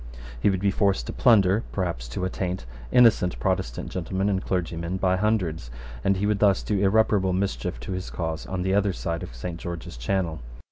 He would be forced to plunder, perhaps to attaint, innocent Protestant gentlemen and clergymen by hundreds; and he would thus do irreparable mischief to his cause on the other side of Saint George's Channel.